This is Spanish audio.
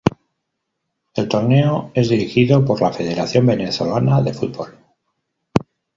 El torneo es dirigido por la Federación Venezolana de Fútbol.